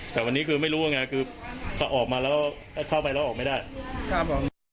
แต่วันนี้คือไม่รู้ว่าไงคือพอออกมาแล้วเข้าไปแล้วออกไม่ได้ครับผม